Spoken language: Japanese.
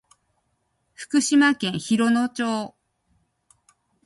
福島県広野町